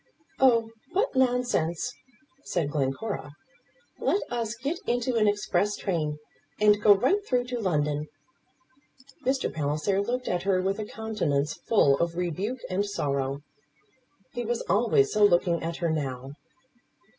"Oh, what nonsense," said Glencora. "Let us get into an express train, and go right through to London." Mr. Palliser looked at her with a countenance full of rebuke and sorrow. He was always so looking at her now.